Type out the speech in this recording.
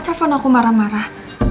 telepon aku marah marah